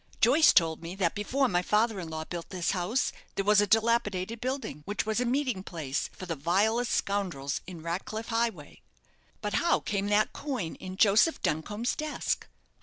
Joyce told me that before my father in law built this house, there was a dilapidated building, which was a meeting place for the vilest scoundrels in Ratcliff Highway. But how came that coin in Joseph Duncombe's desk?